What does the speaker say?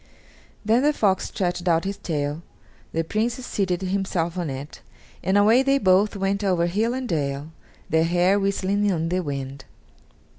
Then the fox stretched out his tail, the Prince seated himself on it, and away they both went over hill and dale, their hair whistling in the wind.